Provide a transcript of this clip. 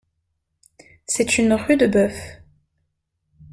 C’est une Rudebeuf.